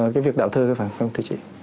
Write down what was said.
cái việc đạo thơ phải không thưa chị